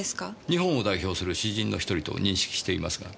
日本を代表する詩人の一人と認識していますが。